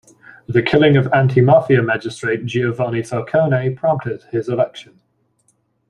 The killing of anti-Mafia magistrate Giovanni Falcone prompted his election.